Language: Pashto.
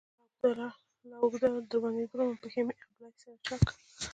لار اوږده ده باندې درومم، پښي مې ابله سینه چاکه